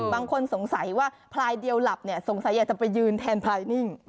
บางคนสงสัยว่าพลายเดียวหลับเนี่ยสงสัยอยากจะไปยืนแทนพลายนิ่ง